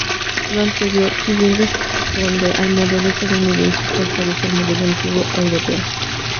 Lo anterior, si bien responde al modelo estadounidense, contradice el modelo antiguo europeo.